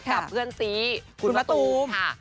กับเพื่อนซีคุณมะตูมค่ะ